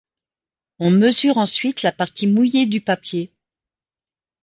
On mesure ensuite la partie mouillée du papier.